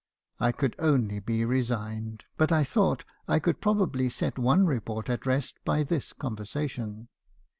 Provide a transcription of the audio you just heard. I could only be resigned ; but I thought I could probably set one report at rest by this conversation.